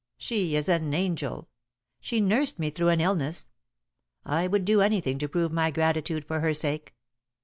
She is an angel. She nursed me through an illness. I would do anything to prove my gratitude for her sake.